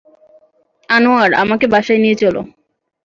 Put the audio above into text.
আনোয়ার, আমাকে বাসায় নিয়ে চলো।